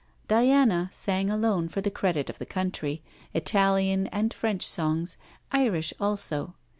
Diana sang alone for the credit of the country, Italian and French songs, Irish also.